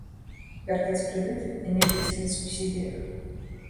Вяртаць крэдыты, а не жыць на субсідыях.